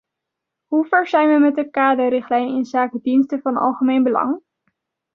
Hoe ver zijn we met de kaderrichtlijn inzake diensten van algemeen belang?